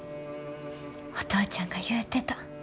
お父ちゃんが言うてた。